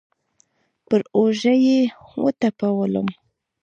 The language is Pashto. پر اوږه يې وټپولم.